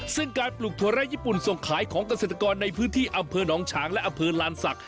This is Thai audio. ซึ่งการปลูกถั่วไร้ญี่ปุ่นส่งขายของเกษตรกรในพื้นที่อำเภอหนองฉางและอำเภอลานศักดิ